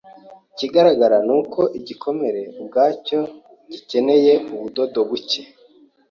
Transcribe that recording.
Ikigaragara ni uko igikomere ubwacyo gikenera ubudodo buke.